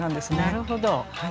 なるほど。